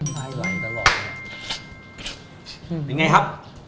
เป็นไงครับ